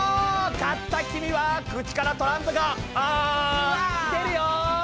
勝った君は口からトランプがああ出るよ！